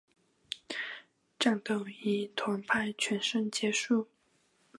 战斗以团派全胜结束。